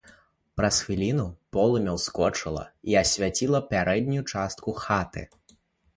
Праз хвіліну полымя ўскочыла і асвяціла пярэднюю частку хаты.